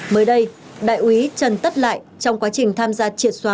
mới đây đại úy trần tất lại trong quá trình tham gia triệt xóa